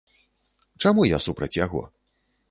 Чаму я супраць яго?